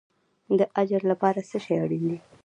د اجر لپاره څه شی اړین دی؟